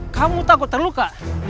kamu takut terluka